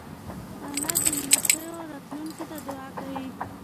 انا د لمسیو راتلونکې ته دعا کوي